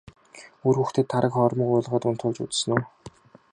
Үр хүүхдээ тараг хоормог уулгаад унтуулж үзсэн үү?